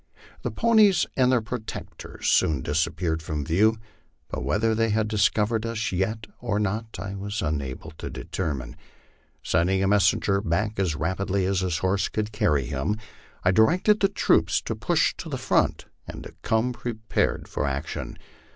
The ponies and their protectors soon disappeared from view, but whether they had discovered us yet or not I was unable to determine. Sending a messenger back as rapidly as his horse could carry him, I directed the troops to push to the front, and to come prepared for action.